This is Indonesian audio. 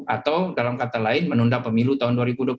atau dalam kata lain menunda pemilu tahun dua ribu dua puluh